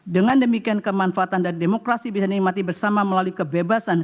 dengan demikian kemanfaatan dan demokrasi bisa dinikmati bersama melalui kebebasan